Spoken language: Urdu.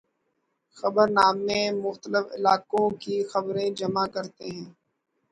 خبرنامے مختلف علاقوں کی خبریں جمع کرتے ہیں۔